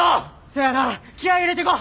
そやな気合い入れてこ！